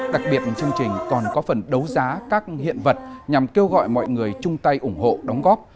đặc biệt chương trình còn có phần đấu giá các hiện vật nhằm kêu gọi mọi người chung tay ủng hộ đóng góp